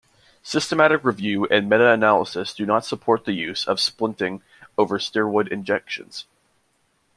Systematic review and meta-analysis do not support the use of splinting over steroid injections.